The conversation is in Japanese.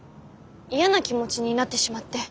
嫌な気持ちになってしまって。